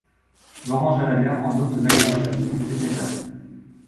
Laurent Jalabert endosse le maillot jaune à l'issue de cette étape.